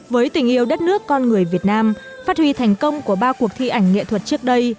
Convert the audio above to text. với tình yêu đất nước con người việt nam phát huy thành công của ba cuộc thi ảnh nghệ thuật trước đây